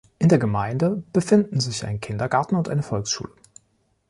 In der Gemeinde befinden sich ein Kindergarten und eine Volksschule.